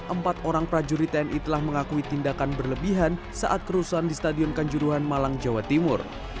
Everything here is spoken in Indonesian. empat orang prajurit tni telah mengakui tindakan berlebihan saat kerusuhan di stadion kanjuruhan malang jawa timur